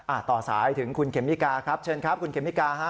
ต่อสายถึงคุณเขมิกาครับเชิญครับคุณเขมิกาฮะ